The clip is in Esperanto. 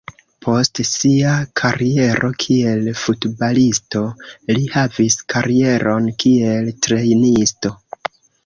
Post sia kariero kiel futbalisto, li havis karieron kiel trejnisto.